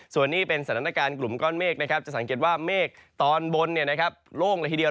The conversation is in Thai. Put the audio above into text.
ส่วนนี้เป็นสถานการณ์กลุ่มก้อนเมฆนะครับจะสังเกตว่าเมฆตอนบนโล่งเลยทีเดียว